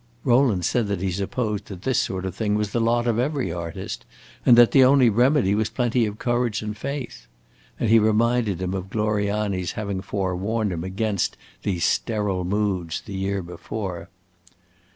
Rowland said that he supposed that this sort of thing was the lot of every artist and that the only remedy was plenty of courage and faith. And he reminded him of Gloriani's having forewarned him against these sterile moods the year before.